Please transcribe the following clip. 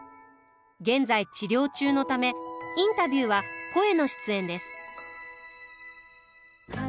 現在治療中のためインタビューは声の出演です。